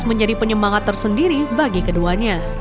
menjadi penyemangat tersendiri bagi keduanya